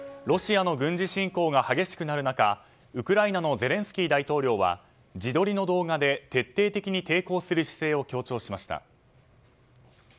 ロシアの軍事侵攻が激しくなる中ウクライナのゼレンスキー大統領は自撮りの動画で徹底的に抵抗する姿勢を強調しました。